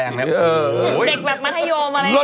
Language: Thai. เด็กแบบมัธยมอะไรอย่างนี้